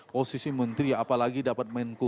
posisi menteri apalagi dapat menko